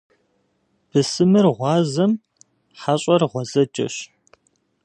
Бысымыр гъуазэм, хьэщӏэр гъуэзэджэщ.